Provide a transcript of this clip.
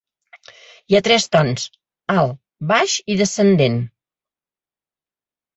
Hi ha tres tons: alt, baix i descendent.